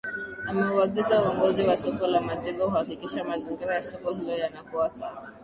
Ameuagiza uongozi wa Soko la Majengo kuhakikisha mazingira ya soko hilo yanakuwa safi.